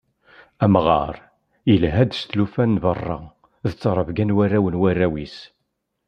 Amɣar, yelha-d s tlufa n berra d trebga n warraw n warraw-is.